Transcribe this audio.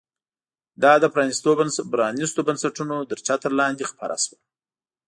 دا د پرانیستو بنسټونو تر چتر لاندې خپره شوه.